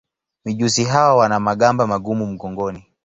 Mijusi hawa wana magamba magumu mgongoni.